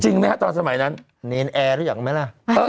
จริงไหมฮะตอนสมัยนั้นนีนแอร์รู้อย่างไหมล่ะ